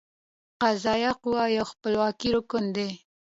قضائیه قوه یو خپلواکه رکن دی.